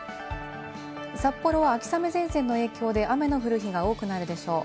札幌は秋雨前線の影響で雨の降る日が多くなるでしょう。